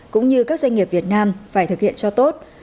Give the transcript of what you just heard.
cũng như các doanh nghiệp việt nam phải thực hiện cho tốt